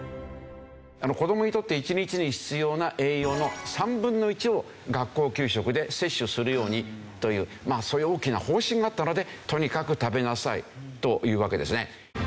子どもにとって１日に必要な栄養の３分の１を学校給食で摂取するようにというそういう大きな方針があったのでとにかく食べなさいというわけですね。